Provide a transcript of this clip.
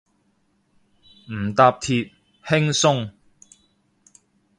唔搭鐵，輕鬆